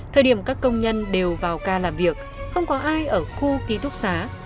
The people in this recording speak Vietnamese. thời điểm các công nhân đều vào ca làm việc không có ai ở khu ký túc xá